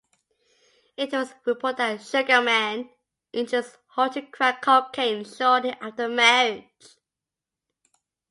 It was reported that Sugerman introduced Hall to crack cocaine shortly after their marriage.